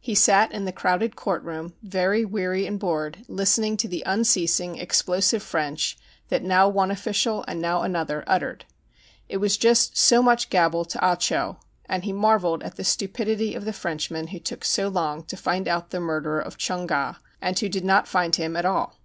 He sat in the crowded court room, very weary and bored, listening to the un ceasing, explosive French that now one official and now another uttered. It was just so much gabble to Ah Cho, and he marvelled at the stupidity of the Frenchmen who took so long to find out the murderer of Chung Ga, and who did not find him at all.